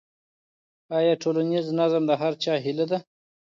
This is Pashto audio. آیا ټولنیز نظم د هر چا هيله ده؟